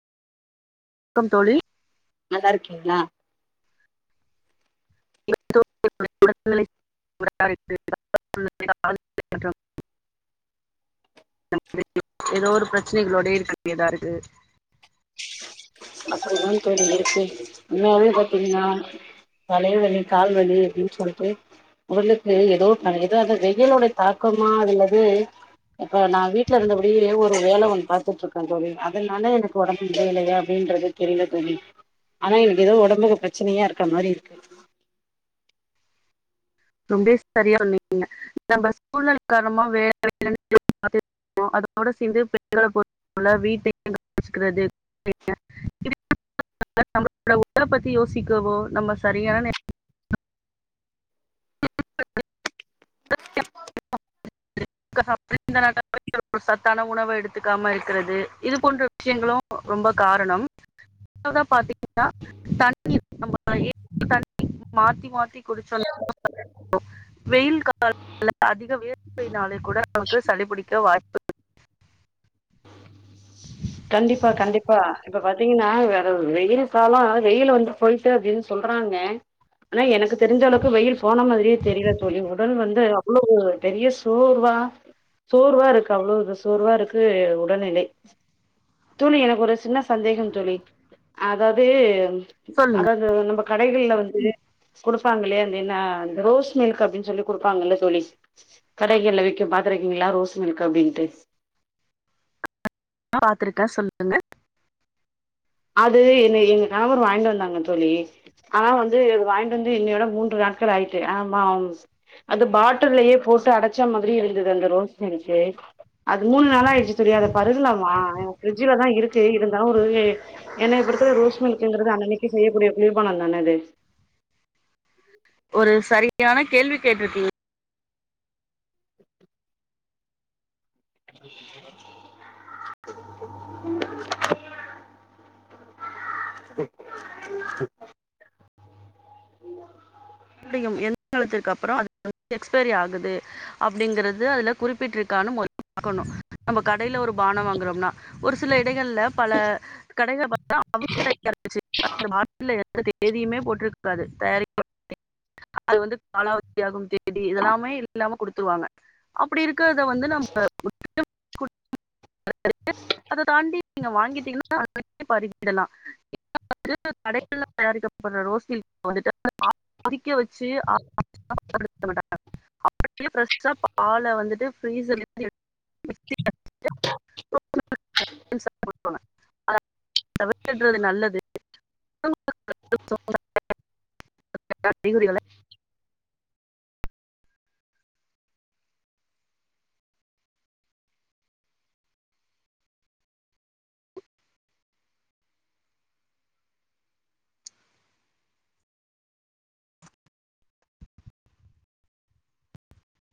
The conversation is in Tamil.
க்கம் தோழி நல்லார்கீங்களா [unintelligible] எதோ ஒரு பிரச்சனைகளோடே இருக்க வேண்டியதா இருக்கு அப்பிடி தா தோழி இருக்கு உண்மைலியே பாத்தீங்கன்னா தலைவலி கால்வலி அப்பிடின் சொல்ட்டு உடலுக்கு எதோ க எதோ அது வெய்யிலோட தாக்கமா அல்லது இப்ப நா வீட்ல இருந்தபடியே ஒரு வேல ஒன்னு பாத்துட்டு இருக்கே தோழி அதனால எனக்கு ஒடம்பு முடியலையா அப்பிடின்றது தெரியல தோழி ஆனா எனக்கு எதோ ஒடம்புக்கு பிரச்சனையா இருக்க மாரி இருக்கு ரொம்பே சரியா சொன்னிங்க நம்ம சூழ்நிலை காரணமா வேலை வே அதோட சேர்ந்து பெண்கள பொறுத்த வீட்டையு கவனிச்சிக்கிறது [unintelligible] நம்மளோ உடல பத்தி யோசிக்கவோ நம்ம சரியான [unintelligible] [inaudible] சத்தான உணவை எடுத்துக்காம இருக்கிறது இது போன்ற விஷயங்களு ரொம்ப காரணம் [inaudible] பாத்தீங்கன்னா தண்ணி நம்ம தண்ணீர் மாத்தி மாத்தி குடிச்சோ [inaudible] வெயில் [inaudible] அதிக வேர்வை நாளா கூட நமக்கு சளிபிடிக்க வாய்ப்பு [inaudible] கண்டிப்பா கண்டிப்பா இப்ப பாத்தீங்கன்னா வேற வெயில் கால வெயிலில் வந்து போயிட்டு அப்படின்னு சொல்றாங்க ஆனா எனக்கு தெரிச அளவுக்கு வெயில் போன மாதிரியே தெரியவ தோழி உடல் வந்து அவ்வளோ பெரிய சோர்வா சோர்வா இருக்கு அவ்வளவு ஒரு சோர்வா இருக்கு உடல்நிலை தோழி எனக்கு ஒரு சின்ன சந்தேகம் தோழி அதாவது சொல்லுங்க அதாவது நம்ம கடைகள்ல வந்து குடுப்பாங்களையே அந்த என்ன அந்த ரோஸ் மில்க் அப்படின்னு சொல்லி குடுப்பாங்கல்ல சொல்லி கடைகள்ல விற்கு பாத்துருக்கீங்களா ரோஸ் மில்க் அப்படின்ட்டு நா பாத்தருக்கே சொல்லுங்க அது என்ன எங்க நபர் வாங்கிட்டு வந்தாங்க தோழி ஆனா வந்து அது வாங்கிட்டு வந்து என்னையோட மூன்று நாட்கள் ஆயிட்டு ஆமா [unintelligible] அது பாட்டல்லயே போட்டு அடைச்சா மாதிரி இருந்தது அந்த ரோஸ் மில்க்கு அது மூணு நாள ஆயிடுச்சு தோழி அத பருகலாமா ஃபிரிடட்ஜ்லதா இருக்கு இருந்தாலு ஒரு ஏன்னா இப்ப இருக்கிற ரோஸ் மில்கங்கது அன்னைக்கு செய்யக்கூடிய குளிர்பானம் தான அது ஒரு சரியான கேள்வி கேட்டுருக்கீங் [inaudible] அது எக்ஸ்பைரி ஆகுது அப்படிங்கிறது அதுல குறிப்பிட்ட இருக்கணு முதல்ல பாக்கணு நம்ப கடைல ஒரு பான வாங்கறோம்னா ஒரு சில கடைகள்ல பல கடைங்கள்ல [inaudible] எந்த தேதியுமே போட்டிருக்காது தயாரிக்க அது வந்து காலாவதியகும் தேதி இதெல்லாமே இல்லாம குடுத்துருவாங்க அப்படி இரு இருக்கத வந்து நம்ப [inaudible] [inaudible] [inaudible] அத தாண்டி நீங்க வாங்கிட்டீங்கன்னா [inaudible] பருகிடலா [inaudible] கடைகள்லா தயாரிக்க இப்ப அந்த ரோஸ் மில்க் வந்துட்டு ஆ [inaudible] விக்க வச்சு அ [inaudible] [inaudible] பிரெஷ பால வந்துட்டு ஃப்ரீசரில இருந்துவ [inaudible] தவித்திடறது நல்லது [inaudible] [inaudible] அறிவுரைகள